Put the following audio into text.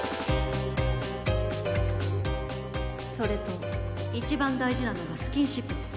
それと一番大事なのがスキンシップです